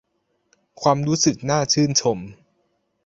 ความรู้สึกน่าชื่นชม